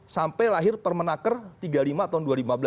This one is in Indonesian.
sampai lahir permenaker tiga puluh lima tahun dua ribu lima belas